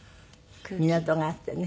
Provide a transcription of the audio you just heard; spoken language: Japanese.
港があってね。